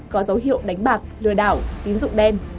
có dấu hiệu đánh bạc lừa đảo tín dụng đen